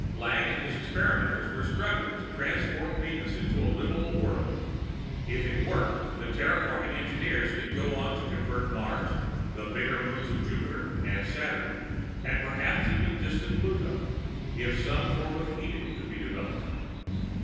Lang and his experimenters were struggling to transform Venus into a livable world. If it worked, the terraforming engineers could go on to convert Mars, the bigger moons of Jupiter and Saturn, and perhaps even distant Pluto, if some form of heating could be developed.